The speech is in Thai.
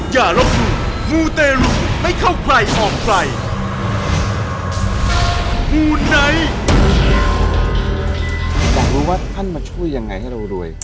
อยากรู้ว่าท่านมาช่วยยังไงให้เรารวย